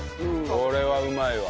これはうまいわ。